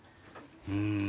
うん。